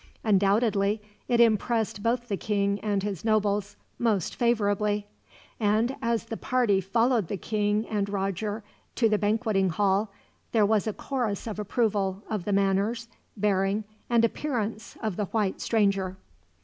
Undoubtedly it impressed both the king and his nobles most favorably; and as the party followed the king and Roger to the banqueting hall, there was a chorus of approval of the manners, bearing, and appearance of the white stranger.